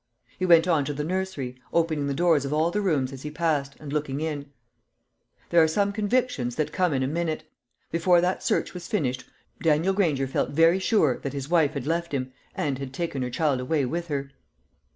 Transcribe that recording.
He went on to the nursery, opening the doors of all the rooms as he passed, and looking in. There are some convictions that come in a minute. Before that search was finished, Daniel Granger felt very sure that his wife had left him, and had taken her child away with her.